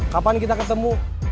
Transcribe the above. kapan kita ketemu